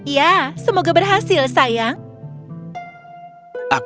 ya semoga berhasil sayang